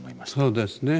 そうですね。